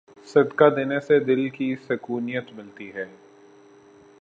صدقہ دینے سے دل کی سکونیت ملتی ہے۔